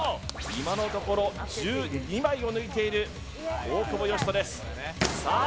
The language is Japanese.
今のところ１２枚を抜いている大久保嘉人ですさあ